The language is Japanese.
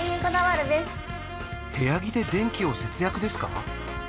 部屋着で電気を節約ですか？